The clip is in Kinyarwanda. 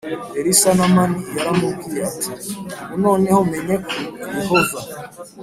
Elisa namani yaramubwiye ati ubu noneho menye ko yehova